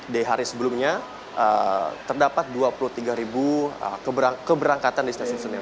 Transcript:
di hari sebelumnya terdapat dua puluh tiga ribu keberangkatan di stasiun senen